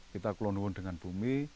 kita kulonwun dengan bumi